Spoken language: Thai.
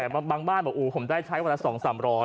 บางบ้านบอกผมได้ใช้วันละ๒๓๐๐บาท